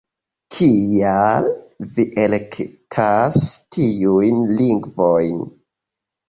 Kial vi elektas tiujn lingvojn?